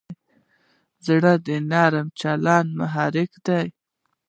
زړه د نرم چلند محرک دی.